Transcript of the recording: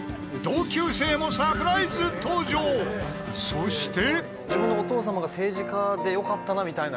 そして。